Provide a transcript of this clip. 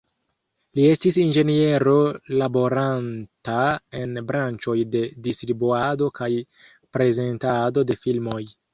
Li estis inĝeniero laboranta en branĉoj de distribuado kaj prezentado de filmoj.